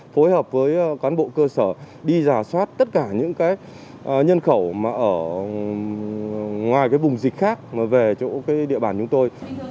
phối hợp với cán bộ cơ sở đi giả soát tất cả những nhân khẩu ngoài bùng dịch khác về chỗ địa bàn chúng tôi